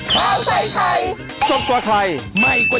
สวัสดีค่ะ